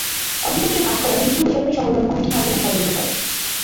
Autism নিয়ে কাজ করা বিভিন্ন বেসরকারি সংগঠন অনুষ্ঠান আয়োজনে সহযোগিতা করে।